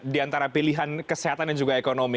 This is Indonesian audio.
di antara pilihan kesehatan dan juga ekonomi